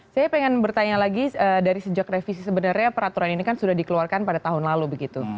saya ingin bertanya lagi dari sejak revisi sebenarnya peraturan ini kan sudah dikeluarkan pada tahun lalu begitu